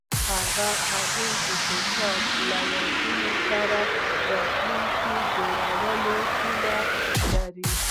هغوی د کتاب له یادونو سره راتلونکی جوړولو هیله لرله.